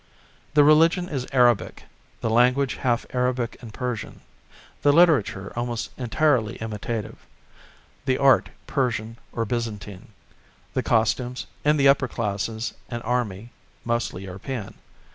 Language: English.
The religion is Arabic; the language half Arabic and Persian; the literature almost entirely imitative; the art Persian or Byzantine; the costumes, in the Upper Classes and Army mostly European.